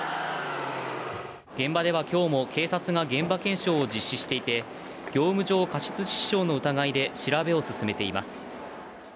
現場では今日も警察が現場検証を実施していて業務上過失致死傷の疑いで調べを進めています。